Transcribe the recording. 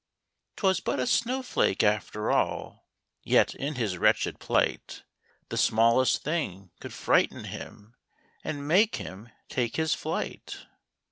'Twas but a snow flake, after all ! Yet, in his wretched plight, The smallest thing could frighten him, And make him take his flight.